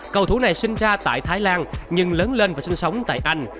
cầu thủ này sinh ra tại thái lan nhưng lớn lên và sinh sống tại anh